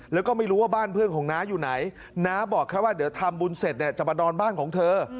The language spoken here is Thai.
แล้วก็ไม่รู้ว่าบ้านเพื่อนของน้าอยู่ไหนน้าบอกแค่ว่าเดี๋ยวทำบุญเสร็จเนี่ยจะมานอนบ้านของเธอ